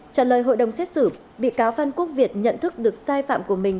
trả lời hội đồng xét xử bị cáo phan quốc việt nhận thức được sai phạm của mình